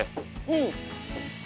うん。